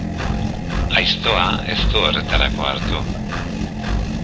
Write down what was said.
Aiztoa ez du horretarako hartu.